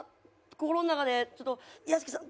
心の中でちょっと屋敷さん。